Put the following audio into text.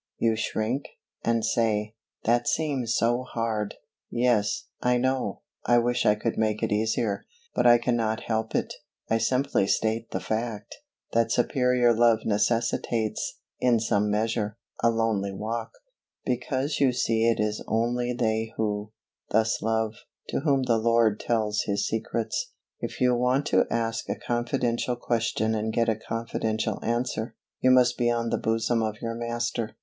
You shrink, and say, "That seems so hard." Yes, I know; I wish I could make it easier, but I cannot help it. I simply state the fact, that superior love necessitates, in some measure, a lonely walk, because you see it is only they who thus love, to whom the Lord tells His secrets. If you want to ask a confidential question and get a confidential answer, you must be on the bosom of your Master.